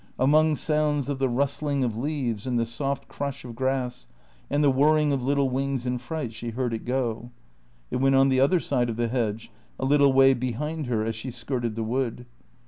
Among sounds of the rustling of leaves, and the soft crush of grass, and the whirring of little wings in fright, she heard it go; it went on the other side of the hedge, a little way behind her as she skirted the wood.